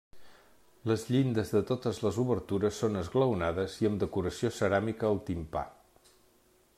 Les llindes de totes les obertures són esglaonades i amb decoració ceràmica al timpà.